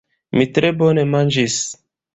Mi tre bone manĝis.